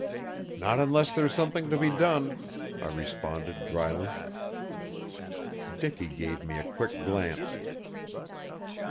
"Not unless there's something to be done," I responded dryly. Dicky gave me a quick glance.